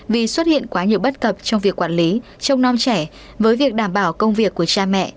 vì xuất hiện quá nhiều bất cập trong việc quản lý trông non trẻ với việc đảm bảo công việc của cha mẹ